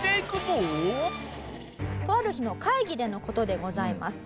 とある日の会議での事でございます。